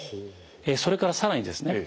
それから更にですね